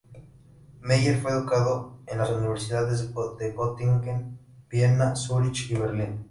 Meyer fue educado en las universidades de Göttingen, Viena, Zürich y Berlín.